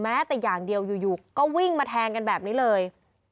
แต่อย่างเดียวอยู่ก็วิ่งมาแทงกันแบบนี้เลย